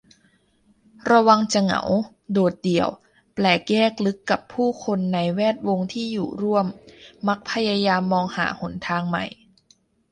ระวังจะเหงา โดดเดี่ยว แปลกแยกลึกกับผู้คนในแวดวงที่อยู่ร่วม มักพยายามมองหาหนทางใหม่